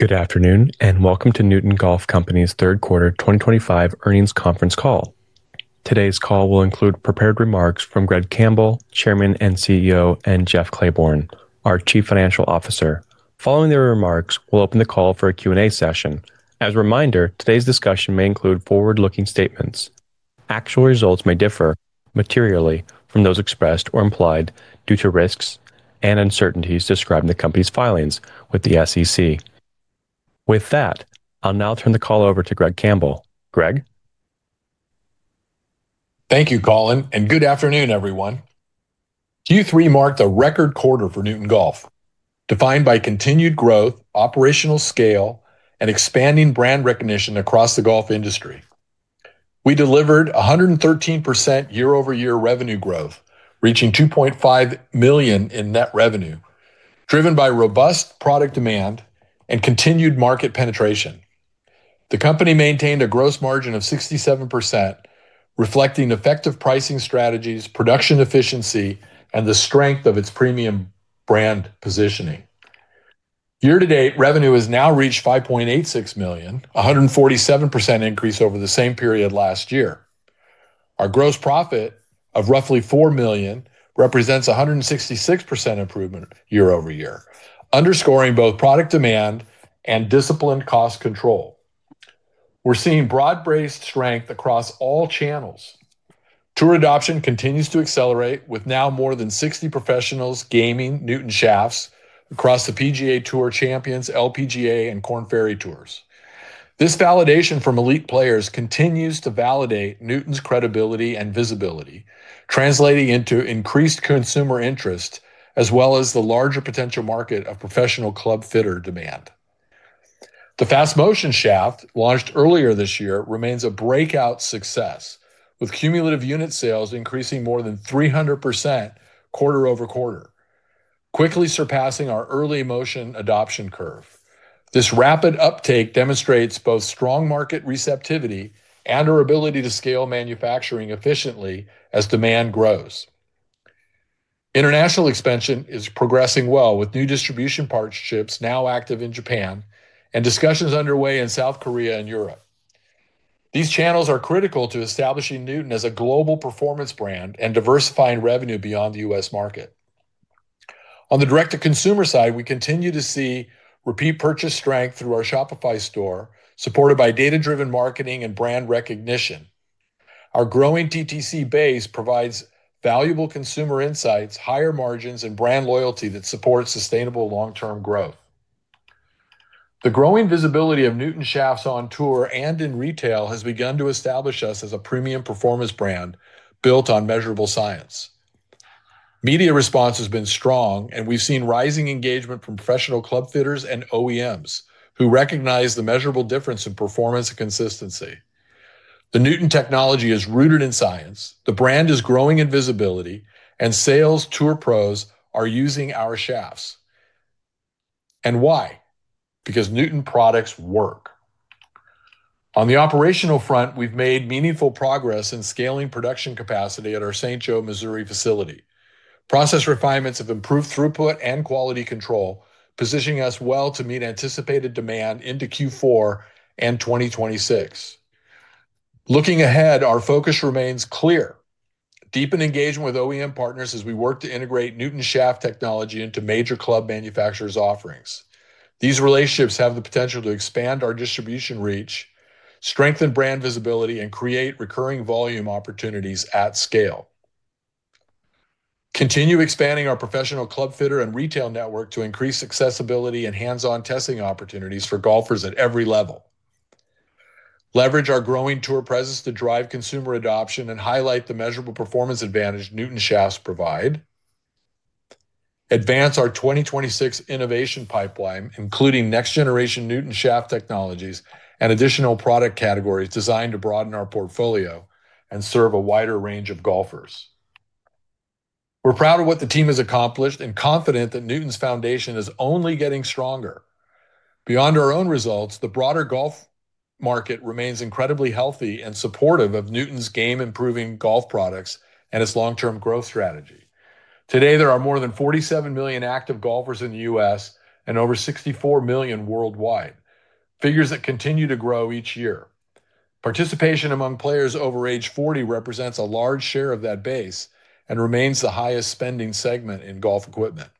Good afternoon and welcome to Newton Golf company's third quarter 2025 earnings conference call. Today's call will include prepared remarks from Greg Campbell, Chairman and CEO, and Jeff Clayborne, our Chief Financial Officer. Following their remarks, we'll open the call for a Q&A session. As a reminder, today's discussion may include forward-looking statements. Actual results may differ materially from those expressed or implied due to risks and uncertainties described in the company's filings with the SEC. With that, I'll now turn the call over to Greg Campbell. Greg. Thank you, Colin, and good afternoon, everyone. Q3 marked a record quarter for Newton Golf, defined by continued growth, operational scale, and expanding brand recognition across the golf industry. We delivered 113% year-over-year revenue growth, reaching $2.5 million in net revenue, driven by robust product demand and continued market penetration. The company maintained a gross margin of 67%, reflecting effective pricing strategies, production efficiency, and the strength of its premium brand positioning. Year-to-date revenue has now reached $5.86 million, a 147% increase over the same period last year. Our gross profit of roughly $4 million represents a 166% improvement year-over-year, underscoring both product demand and disciplined cost control. We're seeing broad-based strength across all channels. Tour adoption continues to accelerate, with now more than 60 professionals gaming Newton shafts across the PGA Tour Champions, LPGA, and Korn Ferry Tours. This validation from elite players continues to validate Newton's credibility and visibility, translating into increased consumer interest as well as the larger potential market of professional club fitter demand. The Fast Motion shaft, launched earlier this year, remains a breakout success, with cumulative unit sales increasing more than 300% quarter-over-quarter, quickly surpassing our early Motion adoption curve. This rapid uptake demonstrates both strong market receptivity and our ability to scale manufacturing efficiently as demand grows. International expansion is progressing well, with new distribution partnerships now active in Japan and discussions underway in South Korea and Europe. These channels are critical to establishing Newton as a global performance brand and diversifying revenue beyond the U.S. market. On the direct-to-consumer side, we continue to see repeat purchase strength through our Shopify store, supported by data-driven marketing and brand recognition. Our growing DTC base provides valuable consumer insights, higher margins, and brand loyalty that supports sustainable long-term growth. The growing visibility of Newton shafts on tour and in retail has begun to establish us as a premium performance brand built on measurable science. Media response has been strong, and we've seen rising engagement from professional club fitters and OEMs who recognize the measurable difference in performance and consistency. The Newton technology is rooted in science, the brand is growing in visibility, and sales tour pros are using our shafts. Why? Because Newton products work. On the operational front, we've made meaningful progress in scaling production capacity at our St. Joe, Missouri facility. Process refinements have improved throughput and quality control, positioning us well to meet anticipated demand into Q4 and 2026. Looking ahead, our focus remains clear: deepen engagement with OEM partners as we work to integrate Newton shaft technology into major club manufacturers' offerings. These relationships have the potential to expand our distribution reach, strengthen brand visibility, and create recurring volume opportunities at scale. Continue expanding our professional club fitter and retail network to increase accessibility and hands-on testing opportunities for golfers at every level. Leverage our growing tour presence to drive consumer adoption and highlight the measurable performance advantage Newton shafts provide. Advance our 2026 innovation pipeline, including next-generation Newton shaft technologies and additional product categories designed to broaden our portfolio and serve a wider range of golfers. We're proud of what the team has accomplished and confident that Newton's foundation is only getting stronger. Beyond our own results, the broader golf market remains incredibly healthy and supportive of Newton's game-improving golf products and its long-term growth strategy. Today, there are more than 47 million active golfers in the U.S. and over 64 million worldwide, figures that continue to grow each year. Participation among players over age 40 represents a large share of that base and remains the highest spending segment in golf equipment.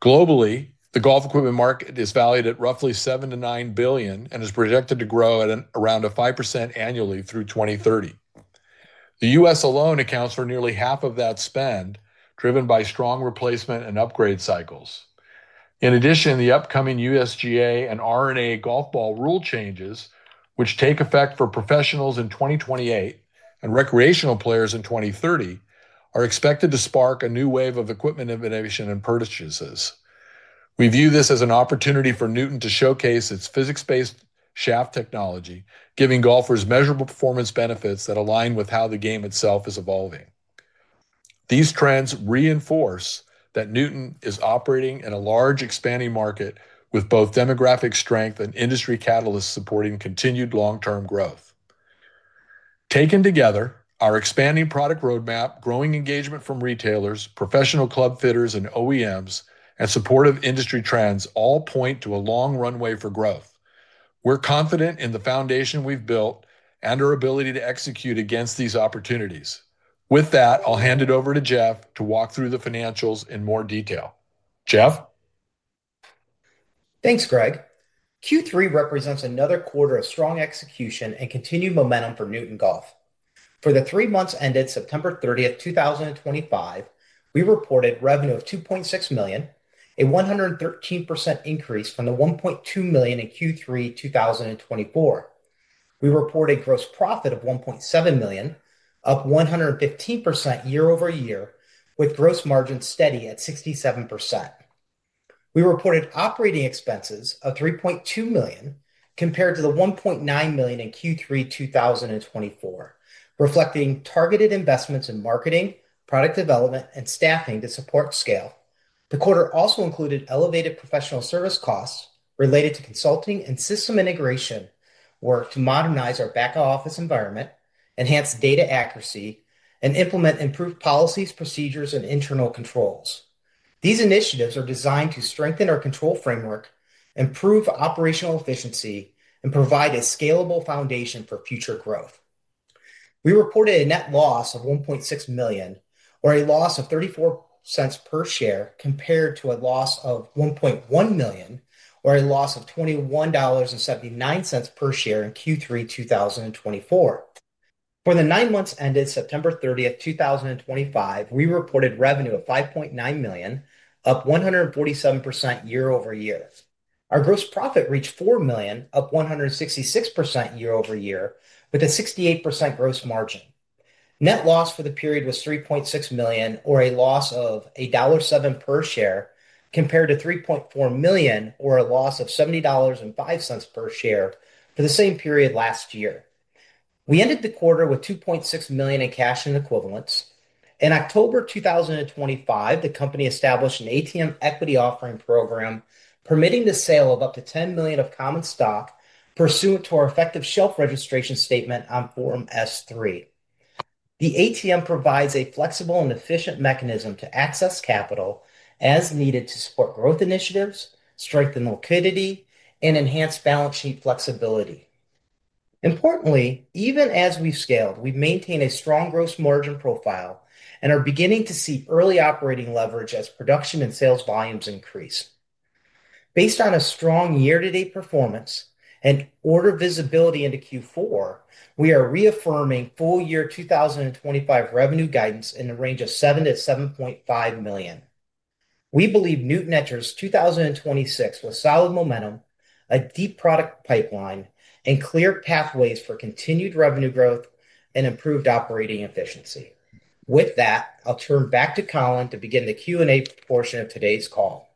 Globally, the golf equipment market is valued at roughly $7 billion-$9 billion and is projected to grow at around 5% annually through 2030. The U.S. alone accounts for nearly half of that spend, driven by strong replacement and upgrade cycles. In addition, the upcoming USGA and R&A Golf Ball Rule changes, which take effect for professionals in 2028 and recreational players in 2030, are expected to spark a new wave of equipment innovation and purchases. We view this as an opportunity for Newton to showcase its physics-based shaft technology, giving golfers measurable performance benefits that align with how the game itself is evolving. These trends reinforce that Newton is operating in a large expanding market with both demographic strength and industry catalysts supporting continued long-term growth. Taken together, our expanding product roadmap, growing engagement from retailers, professional club fitters and OEMs, and supportive industry trends all point to a long runway for growth. We're confident in the foundation we've built and our ability to execute against these opportunities. With that, I'll hand it over to Jeff to walk through the financials in more detail. Jeff? Thanks, Greg. Q3 represents another quarter of strong execution and continued momentum for Newton Golf. For the three months ended September 30, 2025, we reported revenue of $2.6 million, a 113% increase from the $1.2 million in Q3 2024. We reported gross profit of $1.7 million, up 115% year-over-year, with gross margins steady at 67%. We reported operating expenses of $3.2 million compared to the $1.9 million in Q3 2024, reflecting targeted investments in marketing, product development, and staffing to support scale. The quarter also included elevated professional service costs related to consulting and system integration work to modernize our back-office environment, enhance data accuracy, and implement improved policies, procedures, and internal controls. These initiatives are designed to strengthen our control framework, improve operational efficiency, and provide a scalable foundation for future growth. We reported a net loss of $1.6 million, or a loss of $0.34 per share, compared to a loss of $1.1 million, or a loss of $21.79 per share in Q3 2024. For the nine months ended September 30, 2025, we reported revenue of $5.9 million, up 147% year-over-year. Our gross profit reached $4 million, up 166% year-over-year, with a 68% gross margin. Net loss for the period was $3.6 million, or a loss of $1.07 per share, compared to $3.4 million, or a loss of $70.05 per share for the same period last year. We ended the quarter with $2.6 million in cash and equivalents. In October 2025, the company established an ATM equity offering program permitting the sale of up to $10 million of common stock, pursuant to our effective shelf registration statement on Form S-3. The ATM provides a flexible and efficient mechanism to access capital as needed to support growth initiatives, strengthen liquidity, and enhance balance sheet flexibility. Importantly, even as we've scaled, we've maintained a strong gross margin profile and are beginning to see early operating leverage as production and sales volumes increase. Based on a strong year-to-date performance and order visibility into Q4, we are reaffirming full-year 2025 revenue guidance in the range of $7 million-$7.5 million. We believe Newton enters 2026 with solid momentum, a deep product pipeline, and clear pathways for continued revenue growth and improved operating efficiency. With that, I'll turn back to Colin to begin the Q&A portion of today's call.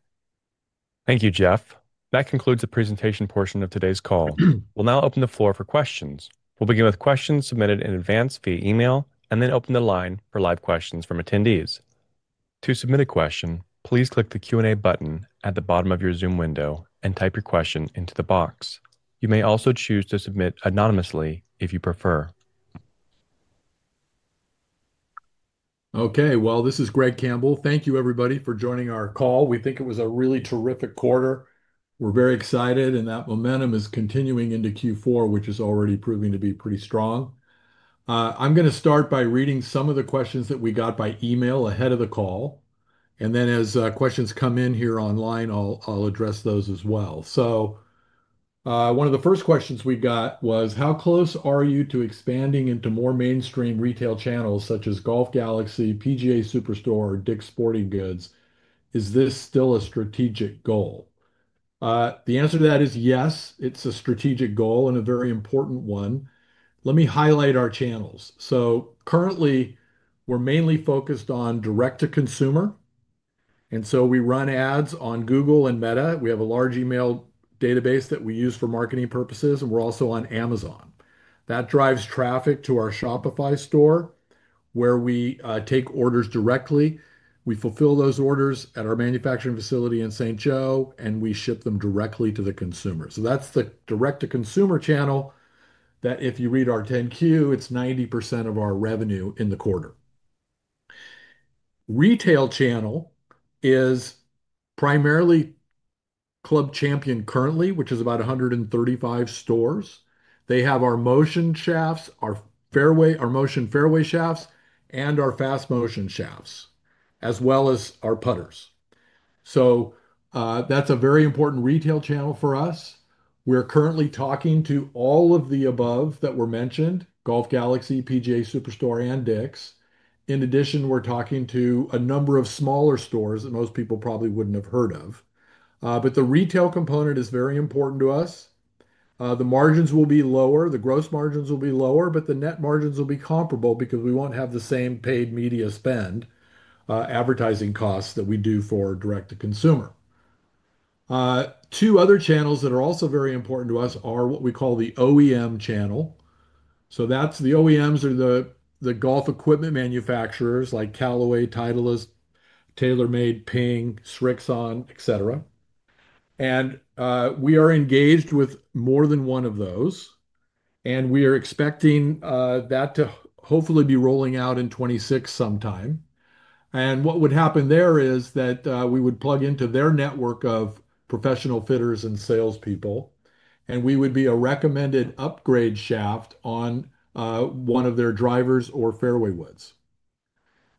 Thank you, Jeff. That concludes the presentation portion of today's call. We'll now open the floor for questions. We'll begin with questions submitted in advance via email and then open the line for live questions from attendees. To submit a question, please click the Q&A button at the bottom of your Zoom window and type your question into the box. You may also choose to submit anonymously if you prefer. Okay, this is Greg Campbell. Thank you, everybody, for joining our call. We think it was a really terrific quarter. We're very excited, and that momentum is continuing into Q4, which is already proving to be pretty strong. I'm going to start by reading some of the questions that we got by email ahead of the call, and then as questions come in here online, I'll address those as well. One of the first questions we got was, "How close are you to expanding into more mainstream retail channels such as Golf Galaxy, PGA Superstore, or Dick's Sporting Goods? Is this still a strategic goal?" The answer to that is yes, it's a strategic goal and a very important one. Let me highlight our channels. Currently, we're mainly focused on direct-to-consumer, and we run ads on Google and Meta. We have a large email database that we use for marketing purposes, and we're also on Amazon. That drives traffic to our Shopify store, where we take orders directly. We fulfill those orders at our manufacturing facility in St. Joe, and we ship them directly to the consumer. That is the direct-to-consumer channel that, if you read our 10-Q, it's 90% of our revenue in the quarter. Retail channel is primarily Club Champion currently, which is about 135 stores. They have our Motion Shafts, our Motion Fairway Shafts, and our Fast Motion Shafts, as well as our putters. That is a very important retail channel for us. We're currently talking to all of the above that were mentioned: Golf Galaxy, PGA Superstore, and Dick's. In addition, we're talking to a number of smaller stores that most people probably wouldn't have heard of. The retail component is very important to us. The margins will be lower. The gross margins will be lower, but the net margins will be comparable because we won't have the same paid media spend advertising costs that we do for direct-to-consumer. Two other channels that are also very important to us are what we call the OEM channel. That's the OEMs, the golf equipment manufacturers like Callaway, Titleist, TaylorMade, Ping, Srixon, etc. We are engaged with more than one of those, and we are expecting that to hopefully be rolling out in 2026 sometime. What would happen there is that we would plug into their network of professional fitters and salespeople, and we would be a recommended upgrade shaft on one of their drivers or fairway woods.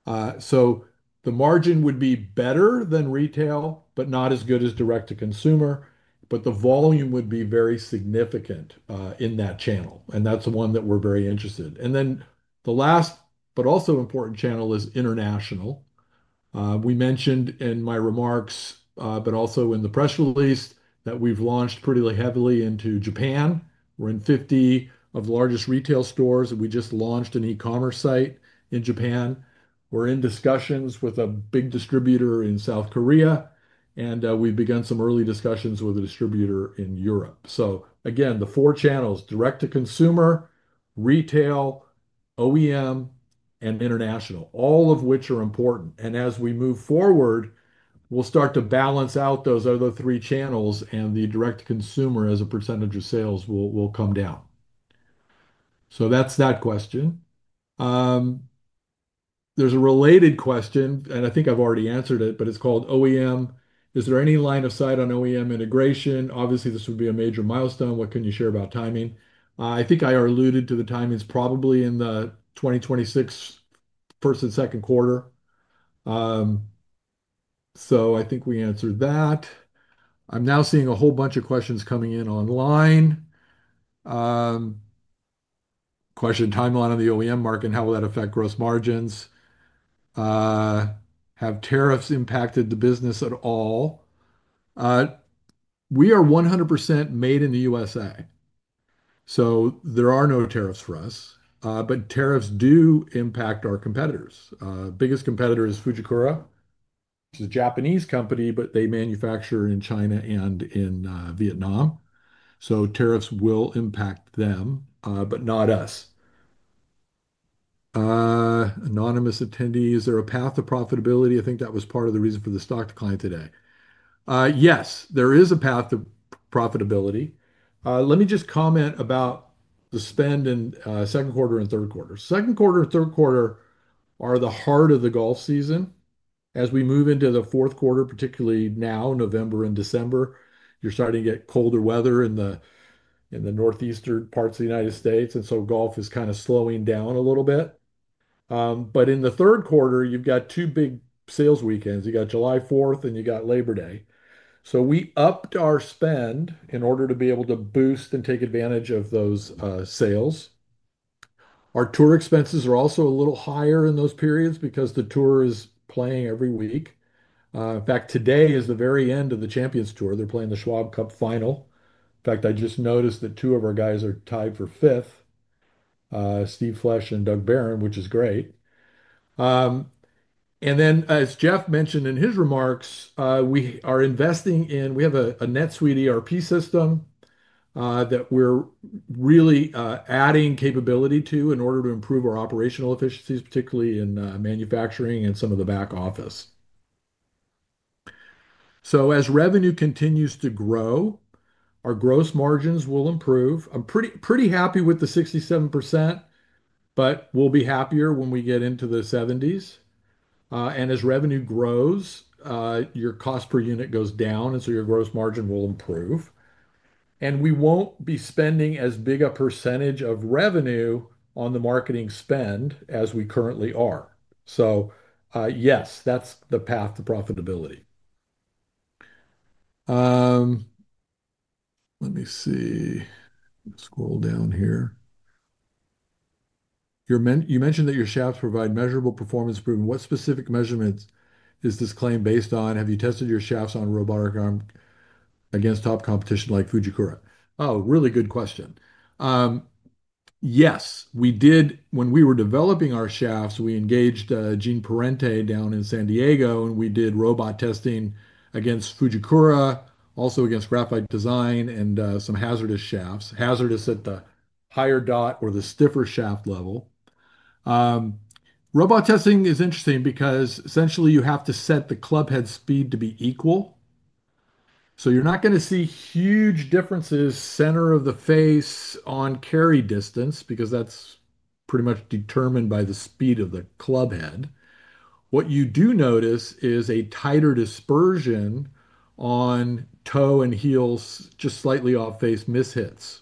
The margin would be better than retail, but not as good as direct-to-consumer, but the volume would be very significant in that channel, and that's the one that we're very interested in. The last, but also important channel is international. We mentioned in my remarks, but also in the press release, that we've launched pretty heavily into Japan. We're in 50 of the largest retail stores, and we just launched an e-commerce site in Japan. We're in discussions with a big distributor in South Korea, and we've begun some early discussions with a distributor in Europe. Again, the four channels: direct-to-consumer, retail, OEM, and international, all of which are important. As we move forward, we'll start to balance out those other three channels, and the direct-to-consumer as a percentage of sales will come down. That's that question. There's a related question, and I think I've already answered it, but it's called OEM. Is there any line of sight on OEM integration? Obviously, this would be a major milestone. What can you share about timing? I think I alluded to the timing's probably in the 2026 first and second quarter. So I think we answered that. I'm now seeing a whole bunch of questions coming in online. Question: timeline on the OEM market and how will that affect gross margins? Have tariffs impacted the business at all? We are 100% made in the USA, so there are no tariffs for us, but tariffs do impact our competitors. Biggest competitor is Fujikura, which is a Japanese company, but they manufacture in China and in Vietnam. So tariffs will impact them, but not us. Anonymous attendee: Is there a path to profitability? I think that was part of the reason for the stock decline today. Yes, there is a path to profitability. Let me just comment about the spend in second quarter and third quarter. Second quarter and third quarter are the heart of the golf season. As we move into the fourth quarter, particularly now, November and December, you're starting to get colder weather in the northeastern parts of the United States, and so golf is kind of slowing down a little bit. In the third quarter, you've got two big sales weekends. You got July 4th and you got Labor Day. We upped our spend in order to be able to boost and take advantage of those sales. Our tour expenses are also a little higher in those periods because the tour is playing every week. In fact, today is the very end of the Champions Tour. They're playing the Schwab Cup Final. In fact, I just noticed that two of our guys are tied for fifth, Steve Flesh and Doug Barron, which is great. And then, as Jeff mentioned in his remarks, we are investing in—we have a NetSuite ERP system that we're really adding capability to in order to improve our operational efficiencies, particularly in manufacturing and some of the back office. As revenue continues to grow, our gross margins will improve. I'm pretty happy with the 67%, but we'll be happier when we get into the 70s. As revenue grows, your cost per unit goes down, and so your gross margin will improve. We won't be spending as big a percentage of revenue on the marketing spend as we currently are. Yes, that's the path to profitability. Let me see. Scroll down here. You mentioned that your shafts provide measurable performance proof. What specific measurements is this claim based on? Have you tested your shafts on robotic arm against top competition like Fujikura? Oh, really good question. Yes, we did. When we were developing our shafts, we engaged Gene Parente down in San Diego, and we did robot testing against Fujikura, also against Graphite Design and some Hazard shafts, Hazard at the higher dot or the stiffer shaft level. Robot testing is interesting because essentially you have to set the club head speed to be equal. So you're not going to see huge differences center of the face on carry distance because that's pretty much determined by the speed of the club head. What you do notice is a tighter dispersion on toe and heels, just slightly off-face mishits.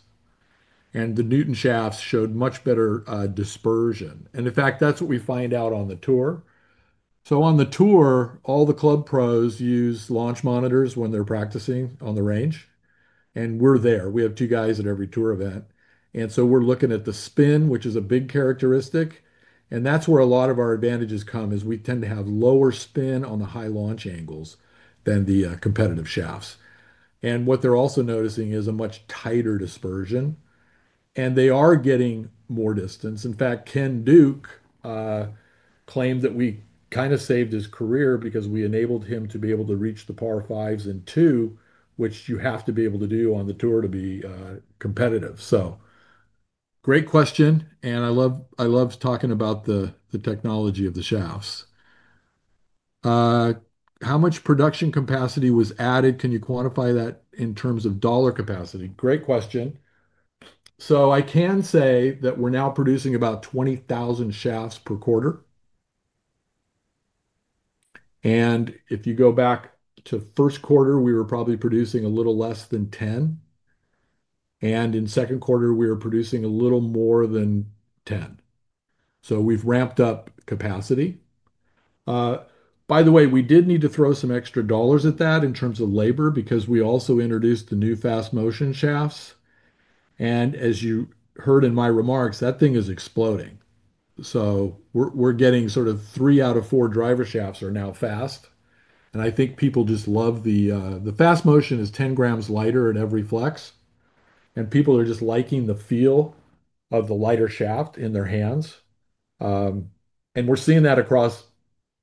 And the Newton shafts showed much better dispersion. In fact, that's what we find out on the tour. On the tour, all the club pros use launch monitors when they're practicing on the range. We're there. We have two guys at every tour event. We're looking at the spin, which is a big characteristic. That's where a lot of our advantages come is we tend to have lower spin on the high launch angles than the competitive shafts. What they're also noticing is a much tighter dispersion. They are getting more distance. In fact, Ken Duke claimed that we kind of saved his career because we enabled him to be able to reach the par fives in two, which you have to be able to do on the tour to be competitive. Great question. I love talking about the technology of the shafts. How much production capacity was added? Can you quantify that in terms of dollar capacity? Great question. I can say that we're now producing about 20,000 shafts per quarter. If you go back to first quarter, we were probably producing a little less than 10, and in second quarter, we were producing a little more than 10. We have ramped up capacity. By the way, we did need to throw some extra dollars at that in terms of labor because we also introduced the new Fast Motion shafts. As you heard in my remarks, that thing is exploding. We are getting sort of three out of four driver shafts are now Fast. I think people just love the Fast Motion is 10 g lighter at every flex. People are just liking the feel of the lighter shaft in their hands. We're seeing that across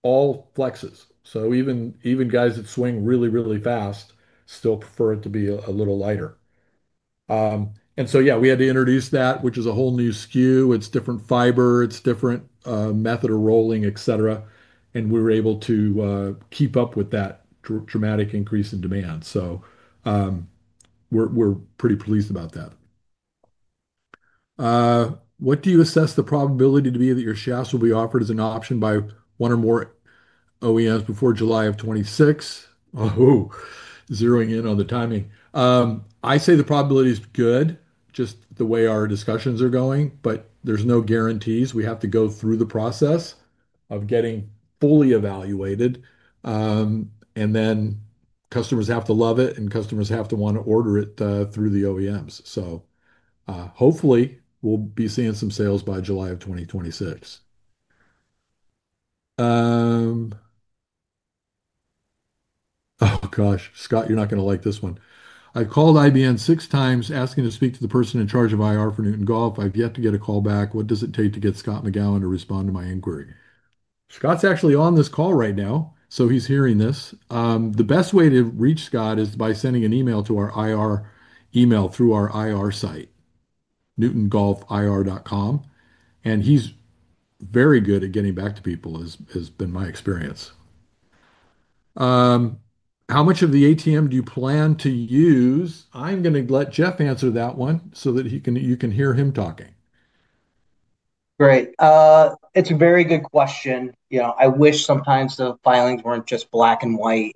all flexes. Even guys that swing really, really fast still prefer it to be a little lighter. Yeah, we had to introduce that, which is a whole new SKU. It's different fiber. It's a different method of rolling, etc. We were able to keep up with that dramatic increase in demand. We're pretty pleased about that. What do you assess the probability to be that your shafts will be offered as an option by one or more OEMs before July of 2026? Zeroing in on the timing, I say the probability is good, just the way our discussions are going, but there's no guarantees. We have to go through the process of getting fully evaluated, and then customers have to love it, and customers have to want to order it through the OEMs. Hopefully, we'll be seeing some sales by July of 2026. Oh gosh, Scott, you're not going to like this one. I've called IBN six times asking to speak to the person in charge of IR for Newton Golf. I've yet to get a call back. What does it take to get Scott McGowan to respond to my inquiry? Scott's actually on this call right now, so he's hearing this. The best way to reach Scott is by sending an email to our IR email through our IR site, newtongolfir.com. He's very good at getting back to people, has been my experience. How much of the ATM do you plan to use? I'm going to let Jeff answer that one so that you can hear him talking. Great. It's a very good question. I wish sometimes the filings weren't just black and white.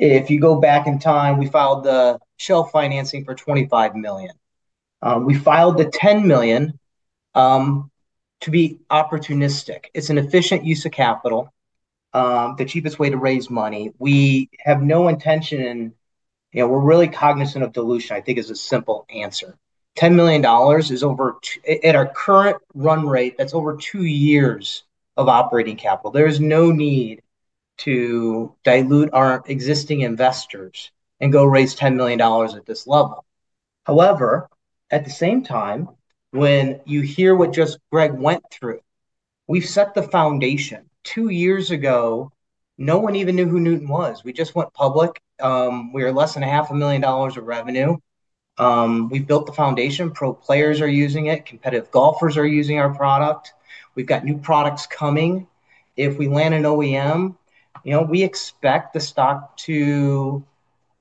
If you go back in time, we filed the shelf financing for $25 million. We filed the $10 million to be opportunistic. It's an efficient use of capital, the cheapest way to raise money. We have no intention. We're really cognizant of dilution, I think is a simple answer. $10 million is over, at our current run rate, that's over two years of operating capital. There is no need to dilute our existing investors and go raise $10 million at this level. However, at the same time, when you hear what just Greg went through, we've set the foundation. Two years ago, no one even knew who Newton was. We just went public. We are less than $500,000 of revenue. We've built the foundation. Pro players are using it. Competitive golfers are using our product. We've got new products coming. If we land an OEM, we expect the stock to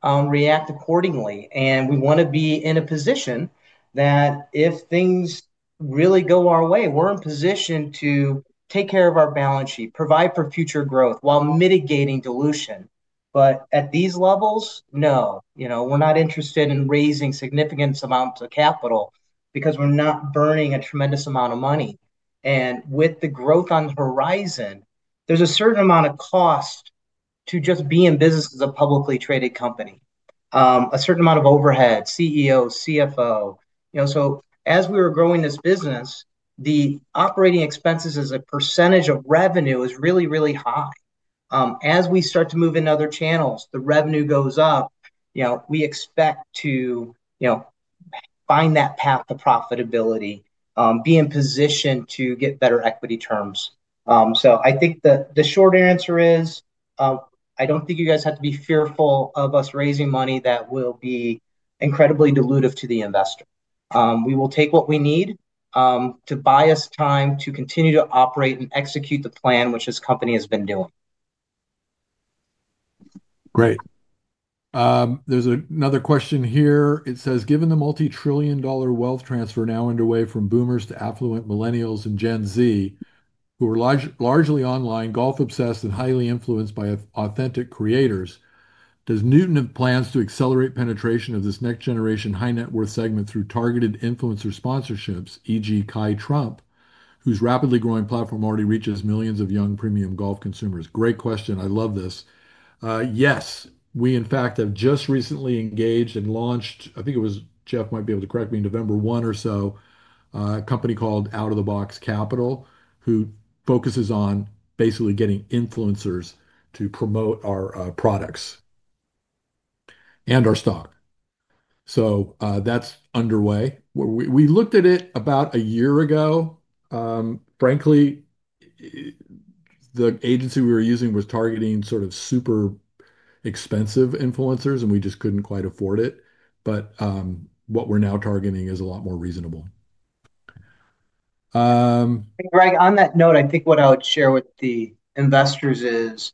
react accordingly. We want to be in a position that if things really go our way, we're in position to take care of our balance sheet, provide for future growth while mitigating dilution. At these levels, no. We're not interested in raising significant amounts of capital because we're not burning a tremendous amount of money. With the growth on the horizon, there's a certain amount of cost to just being in business as a publicly traded company, a certain amount of overhead, CEO, CFO. As we were growing this business, the operating expenses as a percentage of revenue is really, really high. As we start to move in other channels, the revenue goes up. We expect to find that path to profitability, be in position to get better equity terms. I think the short answer is I don't think you guys have to be fearful of us raising money that will be incredibly dilutive to the investor. We will take what we need to buy us time to continue to operate and execute the plan, which this company has been doing. Great. There's another question here. It says, "Given the multi-trillion-dollar wealth transfer now underway from boomers to affluent millennials and Gen Z, who are largely online, golf-obsessed, and highly influenced by authentic creators, does Newton have plans to accelerate penetration of this next-generation high-net-worth segment through targeted influencer sponsorships, e.g., Kai Trump, whose rapidly growing platform already reaches millions of young premium golf consumers?" Great question. I love this. Yes. We, in fact, have just recently engaged and launched, I think it was Jeff might be able to correct me, November 1 or so, a company called Out of the Box Capital, who focuses on basically getting influencers to promote our products and our stock. That is underway. We looked at it about a year ago. Frankly, the agency we were using was targeting sort of super expensive influencers, and we just could not quite afford it. What we are now targeting is a lot more reasonable. Greg, on that note, I think what I would share with the investors is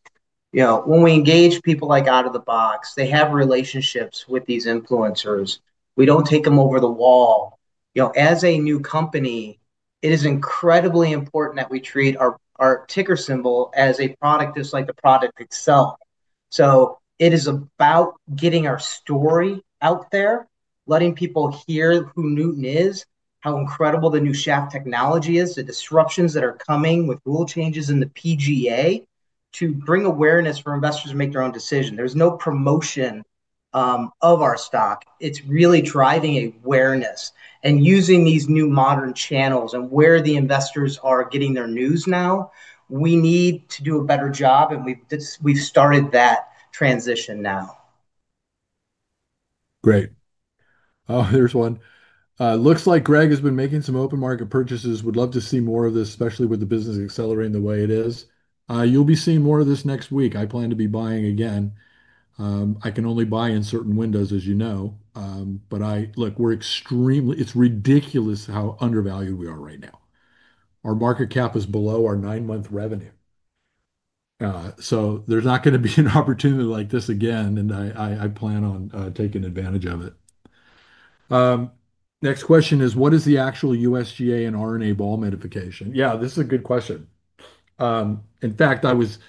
when we engage people like Out of the Box, they have relationships with these influencers. We do not take them over the wall. As a new company, it is incredibly important that we treat our ticker symbol as a product just like the product itself. It is about getting our story out there, letting people hear who Newton is, how incredible the new shaft technology is, the disruptions that are coming with rule changes in the PGA to bring awareness for investors to make their own decision. There is no promotion of our stock. It is really driving awareness and using these new modern channels and where the investors are getting their news now. We need to do a better job, and we have started that transition now. Great. Oh, here is one. "Looks like Greg has been making some open market purchases. Would love to see more of this, especially with the business accelerating the way it is. You will be seeing more of this next week. I plan to be buying again. I can only buy in certain windows, as you know. Look, it is ridiculous how undervalued we are right now. Our market cap is below our nine-month revenue. So there's not going to be an opportunity like this again, and I plan on taking advantage of it." Next question is, "What is the actual USGA and R&A ball modification?" Yeah, this is a good question. In fact, I was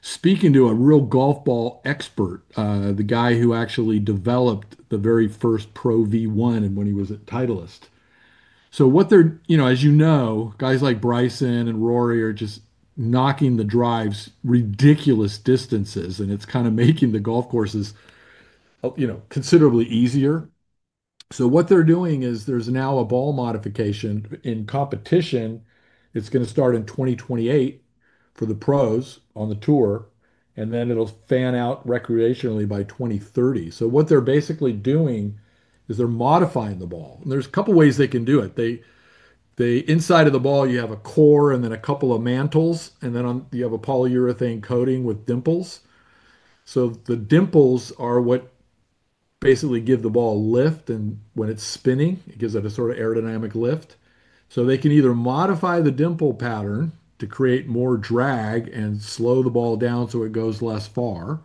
speaking to a real golf ball expert, the guy who actually developed the very first Pro V1 and when he was at Titleist. So as you know, guys like Bryson and Rory are just knocking the drives ridiculous distances, and it's kind of making the golf courses considerably easier. So what they're doing is there's now a ball modification in competition. It's going to start in 2028 for the pros on the tour, and then it'll fan out recreationally by 2030. So what they're basically doing is they're modifying the ball. And there's a couple of ways they can do it. Inside of the ball, you have a core and then a couple of mantles, and then you have a polyurethane coating with dimples. The dimples are what basically give the ball lift, and when it's spinning, it gives it a sort of aerodynamic lift. They can either modify the dimple pattern to create more drag and slow the ball down so it goes less far,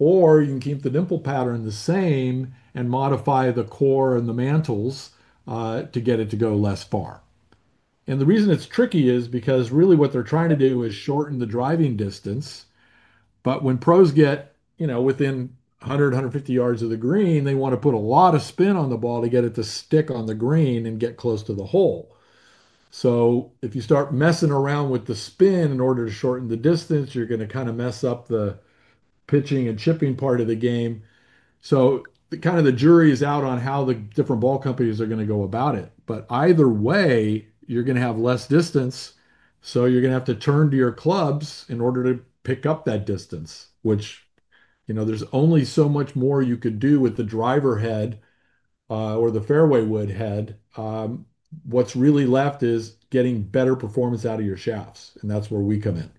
or you can keep the dimple pattern the same and modify the core and the mantles to get it to go less far. The reason it's tricky is because really what they're trying to do is shorten the driving distance. When pros get within 100 yards-150 yards of the green, they want to put a lot of spin on the ball to get it to stick on the green and get close to the hole. If you start messing around with the spin in order to shorten the distance, you're going to kind of mess up the pitching and chipping part of the game. Kind of the jury is out on how the different ball companies are going to go about it. Either way, you're going to have less distance, so you're going to have to turn to your clubs in order to pick up that distance, which there's only so much more you could do with the driver head or the fairway wood head. What's really left is getting better performance out of your shafts, and that's where we come in.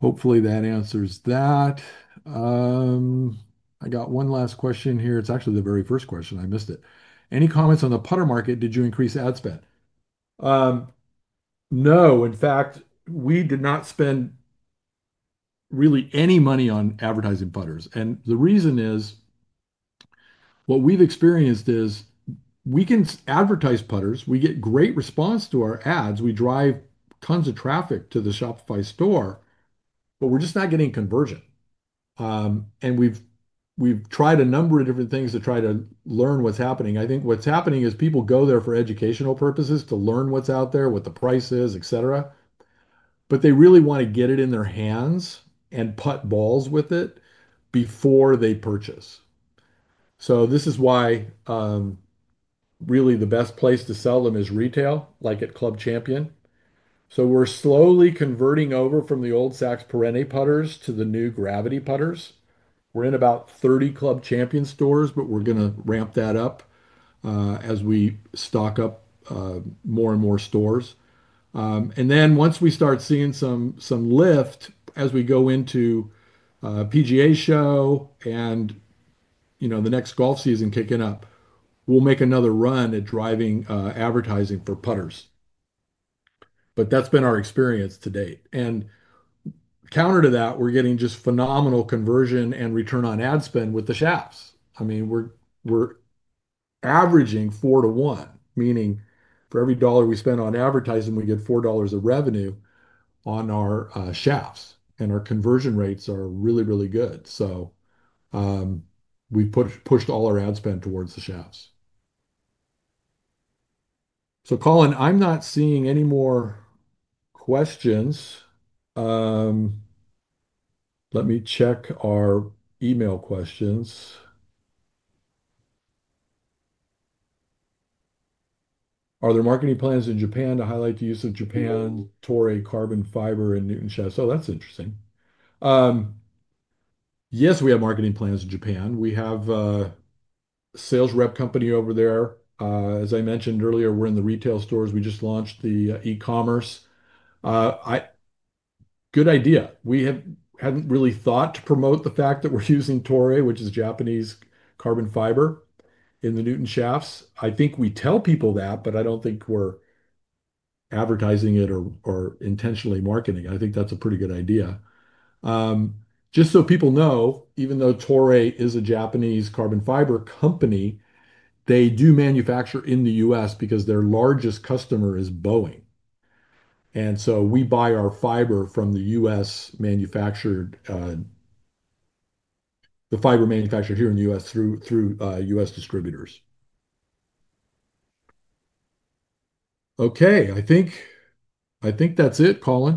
Hopefully, that answers that. I got one last question here. It's actually the very first question. I missed it. "Any comments on the putter market? Did you increase ad spend?" No. In fact, we did not spend really any money on advertising putters. The reason is what we've experienced is we can advertise putters. We get great response to our ads. We drive tons of traffic to the Shopify store, but we're just not getting conversion. We've tried a number of different things to try to learn what's happening. I think what's happening is people go there for educational purposes to learn what's out there, what the price is, etc. They really want to get it in their hands and put balls with it before they purchase. This is why really the best place to sell them is retail, like at Club Champion. We're slowly converting over from the old Sax Perenne putters to the new Gravity putters. We're in about 30 Club Champion stores, but we're going to ramp that up as we stock up more and more stores. Once we start seeing some lift as we go into PGA Show and the next golf season kicking up, we'll make another run at driving advertising for putters. That's been our experience to date. Counter to that, we're getting just phenomenal conversion and return on ad spend with the shafts. I mean, we're averaging four to one, meaning for every dollar we spend on advertising, we get $4 of revenue on our shafts, and our conversion rates are really, really good. We've pushed all our ad spend towards the shafts. Colin, I'm not seeing any more questions. Let me check our email questions. Are there marketing plans in Japan to highlight the use of Japan Toray carbon fiber in Newton Shafts?" Oh, that's interesting. Yes, we have marketing plans in Japan. We have a sales rep company over there. As I mentioned earlier, we're in the retail stores. We just launched the e-commerce. Good idea. We hadn't really thought to promote the fact that we're using Toray, which is Japanese carbon fiber in the Newton Shafts. I think we tell people that, but I don't think we're advertising it or intentionally marketing it. I think that's a pretty good idea. Just so people know, even though Toray is a Japanese carbon fiber company, they do manufacture in the U.S. because their largest customer is Boeing. And so we buy our fiber from the U.S.-manufactured, the fiber manufactured here in the U.S. through U.S. distributors. Okay. I think that's it, Colin.